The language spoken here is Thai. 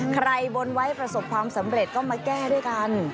บนไว้ประสบความสำเร็จก็มาแก้ด้วยกัน